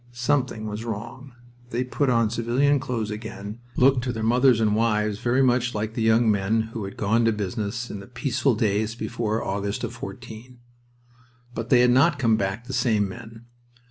Something was wrong. They put on civilian clothes again, looked to their mothers and wives very much like the young men who had gone to business in the peaceful days before the August of '14. But they had not come back the same men.